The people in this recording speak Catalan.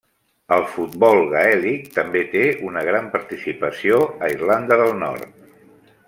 El futbol gaèlic també té una gran participació a Irlanda del Nord.